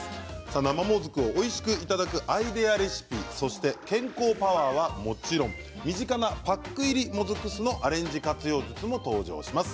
生もずくをおいしくいただくアイデアレシピそして健康パワーはもちろん身近なパック入りもずく酢のアレンジ活用術も登場します。